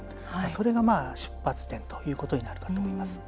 それが、出発点ということになるわけです。